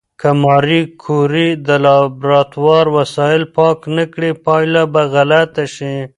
که ماري کوري د لابراتوار وسایل پاک نه کړي، پایله به غلطه شي.